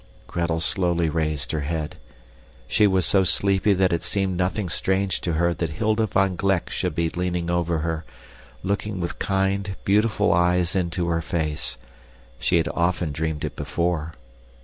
Gretel slowly raised her head. She was so sleepy that it seemed nothing strange to her that Hilda van Gleck should be leaning over her, looking with kind, beautiful eyes into her face. She had often dreamed it before.